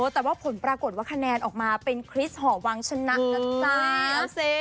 แต่ว่าผลปรากฏว่าคะแนนออกมาเป็นคริสต์หอวังชนะนะจ๊ะ